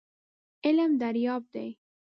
علم دریاب دی .